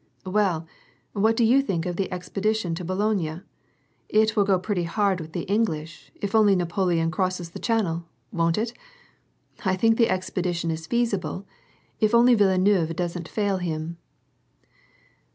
Well, what do you think of the expedition to Boulogne ? It will go pretty hard with the English if only Napoleon crosses the Channel, won't it ? I think the expedition is feasible, if only Villeneuve doesn't fail him."